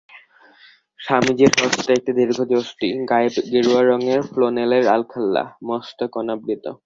স্বামীজীর হস্তে একটি দীর্ঘ যষ্টি, গায়ে গেরুয়া রঙের ফ্লানেলের আলখাল্লা, মস্তক অনাবৃত।